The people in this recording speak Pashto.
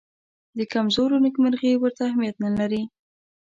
د کمزورو نېکمرغي ورته اهمیت نه لري.